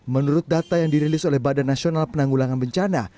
menurut data yang dirilis oleh badan nasional penanggulangan bencana